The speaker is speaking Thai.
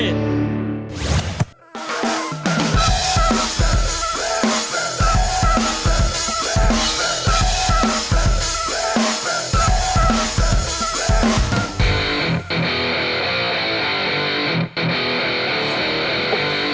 เพื่อคนไทย